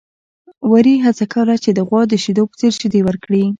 وري هڅه کوله چې د غوا د شیدو په څېر شیدې ورکړي.